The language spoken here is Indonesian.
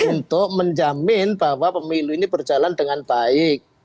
untuk menjamin bahwa pemilu ini berjalan dengan baik